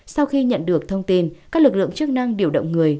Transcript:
sau khi nhận được thông tin các lực lượng chức năng điều động người